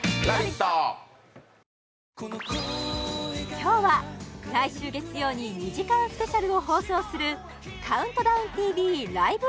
きょうは来週月曜に２時間スペシャルを放送する「ＣＤＴＶライブ！